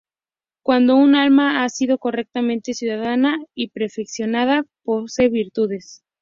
Cuando un alma ha sido correctamente cuidada y perfeccionada, posee virtudes.